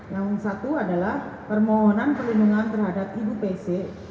yang satu adalah permohonan perlindungan terhadap ibu pc